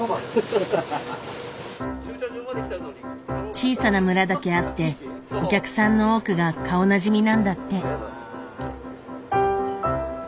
小さな村だけあってお客さんの多くが顔なじみなんだって。